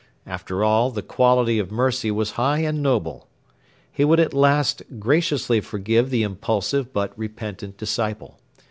After all, the quality of mercy was high and noble. He would at last graciously forgive the impulsive but repentant disciple.